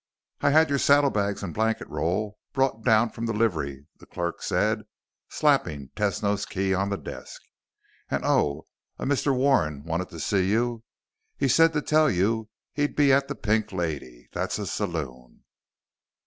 "I had your saddlebags and blanket roll brought down from the livery," the clerk said, slapping Tesno's key on the desk. "And, oh, a Mr. Warren wanted to see you. He said to tell you he'd be at the Pink Lady. That's a saloon."